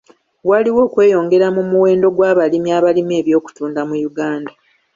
Waliwo okweyongera mu muwendo gw'abalimi abalima eby'okutunda mu Uganda.